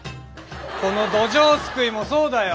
このどじょうすくいもそうだよ。